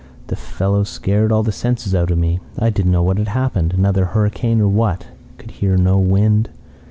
"The fellow scared all the sense out of me. I didn't know what had happened: another hurricane or what. Could hear no wind.